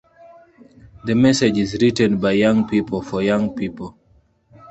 The message is written by young people for young people.